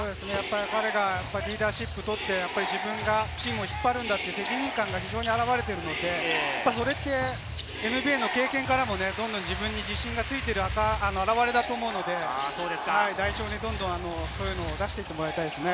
彼がリーダーシップを取って、自分がチームを引っ張るんだという責任感が表れているので、それはＮＢＡの経験から自分に自信がついている表れだと思うので、代表に、そういうのをどんどんと出していってもらいたいです。